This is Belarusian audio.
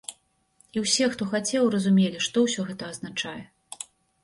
І ўсе, хто хацеў, разумелі, што ўсё гэта азначае.